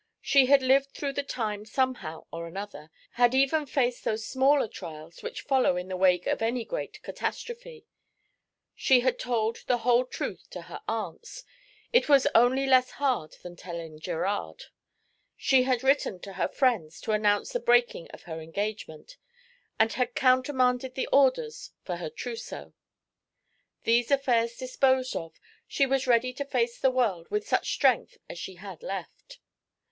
She had lived through the time somehow or another, had even faced those smaller trials which follow in the wake of any great catastrophe. She had told the whole truth to her aunts it was only less hard than telling Gerard she had written to her friends to announce the breaking of her engagement, and had countermanded the orders for her trousseau. These affairs disposed of, she was ready to face the world with such strength as she had left.